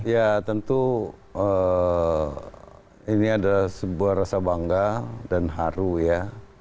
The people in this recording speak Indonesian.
ya tentu ini adalah sebuah rasa bangga dan haru ya